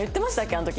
あの時。